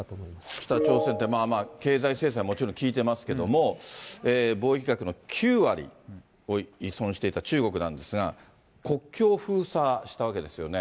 北朝鮮ってまあまあ経済制裁、もちろん効いてますけども、貿易額の９割を依存していた中国なんですが、国境封鎖したわけですよね。